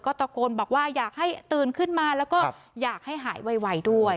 ตะโกนบอกว่าอยากให้ตื่นขึ้นมาแล้วก็อยากให้หายไวด้วย